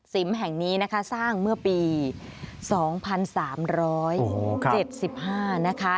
สิมแห่งนี้สร้างเมื่อปี๒๓๗๕นะคะ